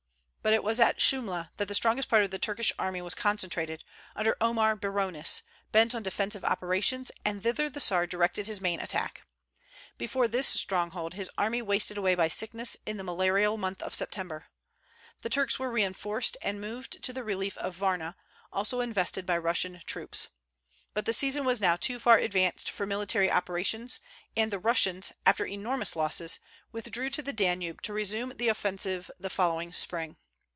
But it was at Shumla that the strongest part of the Turkish army was concentrated, under Omar Brionis, bent on defensive operations; and thither the Czar directed his main attack. Before this stronghold his army wasted away by sickness in the malarial month of September. The Turks were reinforced, and moved to the relief of Varna, also invested by Russian troops. But the season was now too far advanced for military operations, and the Russians, after enormous losses, withdrew to the Danube to resume the offensive the following spring.